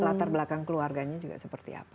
latar belakang keluarganya juga seperti apa